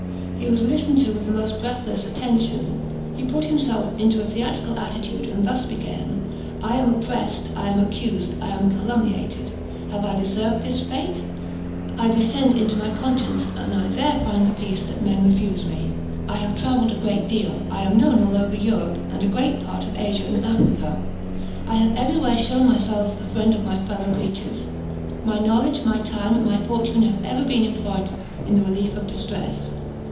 He was listened to with the most breathless attention. He put himself into a theatrical attitude, and thus began: "I am oppressed! I am accused! I am calumniated! Have I deserved this fate? I descend into my conscience, and I there find the peace that men refuse me! I have travelled a great deal I am known over all Europe, and a great part of Asia and Africa. I have every where shewn myself the friend of my fellow creatures. My knowledge, my time, my fortune have ever been employed in the relief of distress.